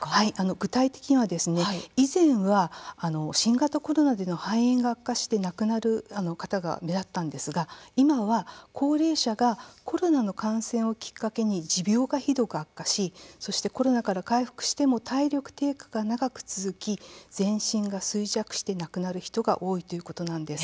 具体的には、以前は新型コロナでの肺炎が悪化して亡くなる方が目立ったんですが今は高齢者がコロナの感染をきっかけに持病がひどく悪化しそしてコロナから回復しても体力低下が長く続き全身が衰弱して亡くなる人が多いということなんです。